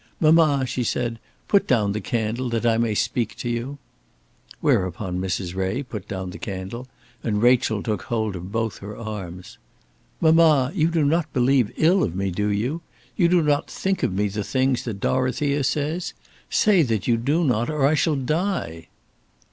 "Mamma," she said, "put down the candle that I may speak to you." Whereupon Mrs. Ray put down the candle, and Rachel took hold of both her arms. "Mamma, you do not believe ill of me; do you? You do not think of me the things that Dorothea says? Say that you do not, or I shall die."